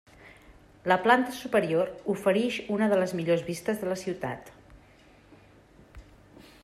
La planta superior oferix una de les millors vistes de la ciutat.